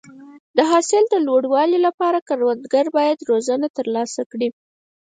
د حاصل د لوړوالي لپاره کروندګر باید روزنه ترلاسه کړي.